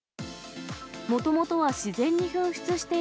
もともとは自然に噴出してい